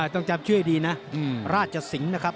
ต้องจับช่วยดีนะราชสิงห์นะครับ